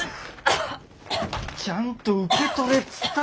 ちゃんと受け取れっつったろ？